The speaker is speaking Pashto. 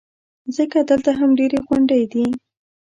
ځکه دلته هم ډېرې غونډۍ دي.